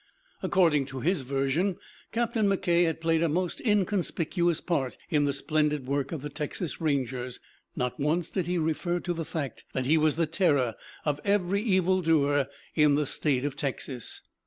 According to his version Captain McKay had played a most inconspicuous part in the splendid work of the Texas Rangers. Not once did he refer to the fact that he was the terror of every evil doer in the State of Texas.